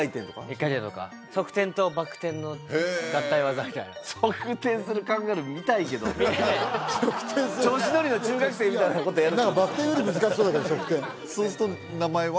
１回転とか側転とバク転の合体技みたいな見たい調子乗りの中学生みたいなことバク転より難しそうだけど側転そうすると名前は？